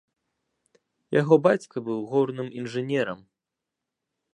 Яго бацька быў горным інжынерам.